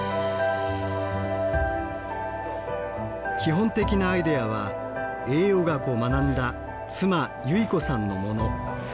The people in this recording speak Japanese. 基本的なアイデアは栄養学を学んだ妻由依子さんのもの。